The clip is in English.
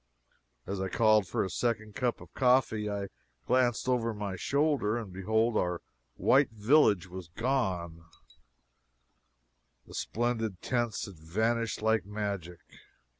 As I called for a second cup of coffee, I glanced over my shoulder, and behold our white village was gone the splendid tents had vanished like magic!